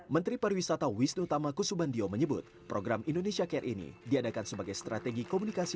menteri pariwisata wisnu tama kusubandio menyebut program indonesia care ini diadakan sebagai strategi komunikasi